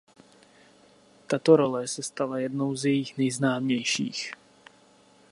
Tato role se stala jednou z jejích nejznámějších.